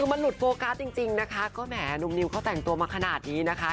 คือมันหลุดโฟกัสจริงนะคะก็แหมหนุ่มนิวเขาแต่งตัวมาขนาดนี้นะคะ